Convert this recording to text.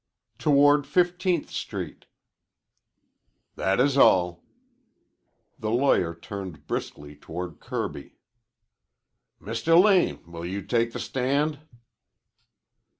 "Toward Fifteenth Street." "That is all." The lawyer turned briskly toward Kirby. "Mr. Lane, will you take the stand?"